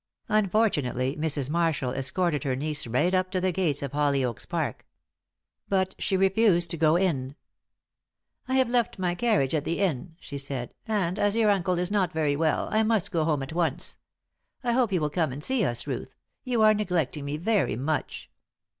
Unfortunately, Mrs. Marshall escorted her niece right up to the gates of Hollyoaks Park. But she refused to go in. "I have left my carriage at the inn," she said, "and, as your uncle is not very well, I must go home at once. I hope you will come and see us soon, Ruth; you are neglecting me very much."